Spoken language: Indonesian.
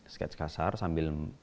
sketch kasar sambil